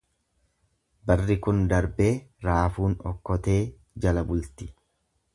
Barri kun darbee raafuun okkotee jala bulti.